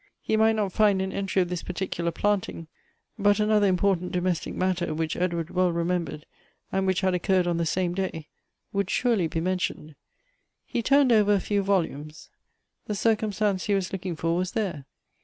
He might not find an entry of this particular planting, but another impor tant domestic matter, which Edward well remembered, and which had occurred on the same day, would surely be mentioned. He turned over a few volumes. The cir cumstance he was looking for was there.